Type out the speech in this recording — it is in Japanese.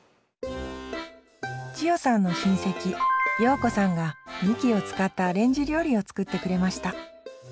千代さんの親戚葉子さんがみきを使ったアレンジ料理を作ってくれました。